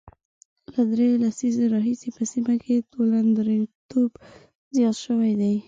له درېو لسیزو راهیسې په سیمه کې توندلاریتوب زیات شوی دی